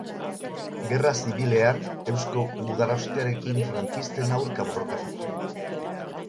Gerra zibilean Eusko Gudarostearekin frankisten aurka borrokatu zuen.